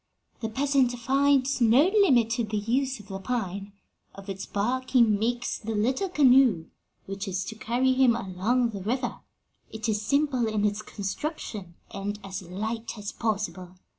'The peasant finds no limit to the use of the pine. Of its bark he makes the little canoe which is to carry him along the river; it is simple in its construction, and as light as possible.